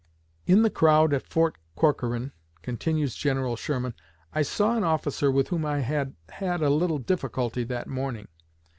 "In the crowd at Fort Corcoran," continues General Sherman, "I saw an officer with whom I had had a little difficulty that morning.